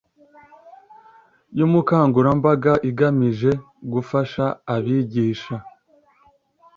y umukangurambaga igamije gufasha abigisha